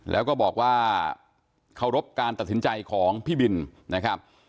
แล้วก็บอกว่าเคารพการตัดสินใจของพี่บินนะครับ